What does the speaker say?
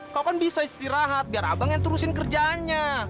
kau kan bisa istirahat biar abang yang terusin kerjaannya